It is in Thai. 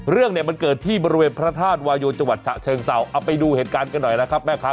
เรื่องเนี่ยมันเกิดที่บริเวณพระธาตุวายนจังหวัดฉะเชิงเศร้าเอาไปดูเหตุการณ์กันหน่อยนะครับแม่ค้า